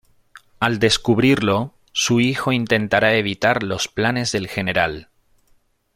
Al descubrirlo, su hijo intentará evitar los planes del general.